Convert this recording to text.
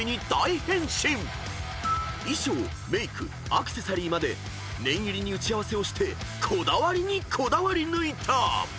［衣装メークアクセサリーまで念入りに打ち合わせをしてこだわりにこだわり抜いた］